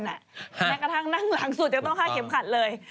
แม้กระทั่งนั่งหลังสุดยังต้อง๕เข็มขัดเลย